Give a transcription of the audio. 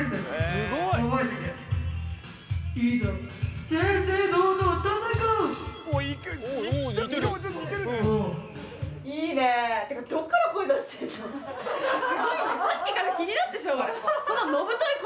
すごいねさっきから気になってしょうがない！